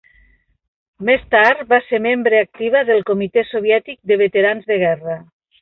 Més tard, va ser membre activa del Comitè Soviètic de Veterans de Guerra.